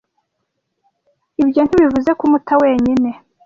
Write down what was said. ibyo ntibivuze kumuta wenyeni,